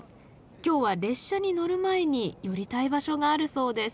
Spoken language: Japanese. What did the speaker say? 今日は列車に乗る前に寄りたい場所があるそうです。